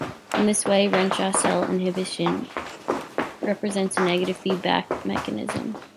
In this way, Renshaw cell inhibition represents a negative feedback mechanism.